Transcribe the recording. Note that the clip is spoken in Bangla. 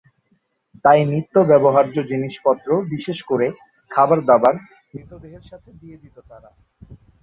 তাই নিত্য ব্যবহার্য জিনিসপত্র, বিশেষ করে খাবার-দাবার মৃতদেহের সাথে দিয়ে দিতো তারা।